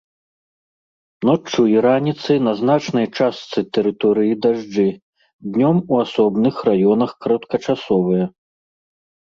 Ноччу і раніцай на значнай частцы тэрыторыі дажджы, днём у асобных раёнах кароткачасовыя.